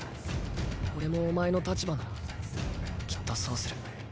俺もお前の立場ならきっとそうする。